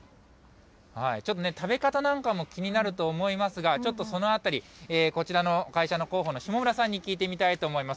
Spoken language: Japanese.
ちょっと食べ方なんかも、気になると思いますが、ちょっとそのあたり、こちらの会社の広報の下村さんに聞いてみたいと思います。